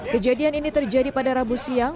kejadian ini terjadi pada rabu siang